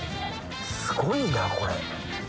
すごいなこれ。